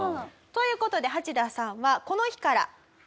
という事でハチダさんはこの日から。